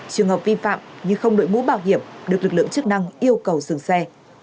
trường hợp vi phạm như không đội mũ bảo hiểm được lực lượng chức năng yêu cầu dừng xe